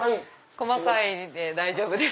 細かいで大丈夫です。